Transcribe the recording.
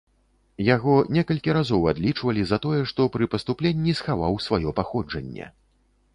Яго некалькі разоў адлічвалі за тое, што пры паступленні схаваў сваё паходжанне.